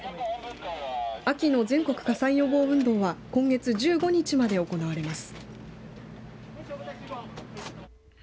秋の全国火災予防運動は今月１５日まで行われます。